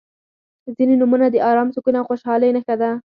• ځینې نومونه د ارام، سکون او خوشحالۍ نښه ده.